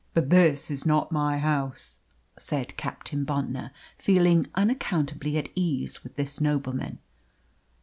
"But this is not my house," said Captain Bontnor, feeling unaccountably at ease with this nobleman.